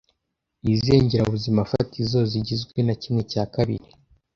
Ni izihe ngirabuzimafatizo zigizwe na kimwe cya kabiri